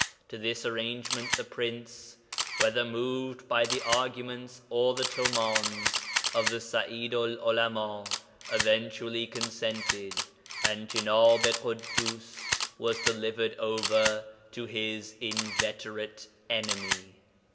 To this arrangement the Prince, whether moved by the arguments or the tumāns of the Sa'idu'l 'Ulama, eventually consented, and Jenāb i Ḳuddus was delivered over to his inveterate enemy.